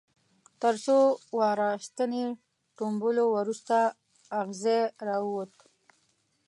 تر څو واره ستنې ټومبلو وروسته اغزی را ووت.